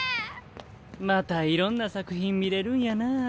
またいろんな作品見れるんやなぁ。